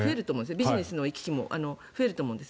ビジネスの行き来も増えると思うんです。